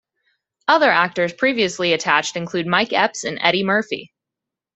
Other actors previously attached include Mike Epps and Eddie Murphy.